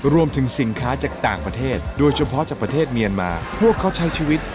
รวมถึงสินค้าจากต่างประเทศโดยเฉพาะจากประเทศเมียนมาพวกเขาใช้ชีวิต